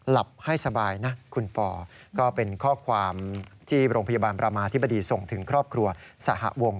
หลับให้สบายนะคุณปอก็เป็นข้อความที่โรงพยาบาลประมาธิบดีส่งถึงครอบครัวสหวง